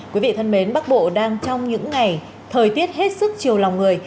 quý vị thân mến bắc bộ đang trong những ngày thời tiết hết sức chiều lòng người